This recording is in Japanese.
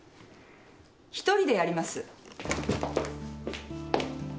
一人でやります。